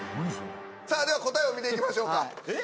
さあでは答えを見ていきましょうか。